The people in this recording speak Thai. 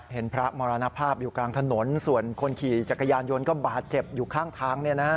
เห็นพระมรณภาพอยู่กลางถนนส่วนคนขี่จักรยานยนต์ก็บาดเจ็บอยู่ข้างทาง